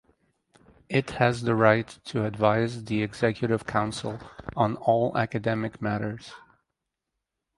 It has the right to advise the Executive Council on all academic matters.